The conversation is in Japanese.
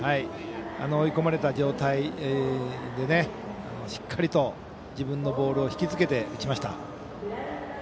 追い込まれた状態でしっかりと、自分のボールをひきつけて打ちました。